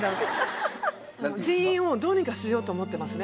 人員をどうにかしようと思ってますね。